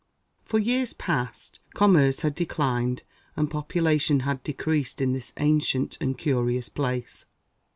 For years past, commerce had declined, and population had decreased in this ancient and curious place.